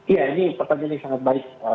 ya ini pertanyaan ini sangat baik